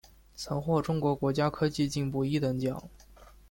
曾获中国国家科技进步一等奖。